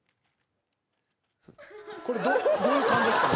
どういう感じですかね